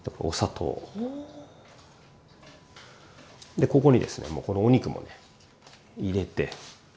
でここにですねもうこのお肉もね入れて。